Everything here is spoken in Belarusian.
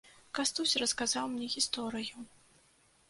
Кастусь расказаў мне гісторыю.